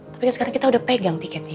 tapi kan sekarang kita udah pegang tiketnya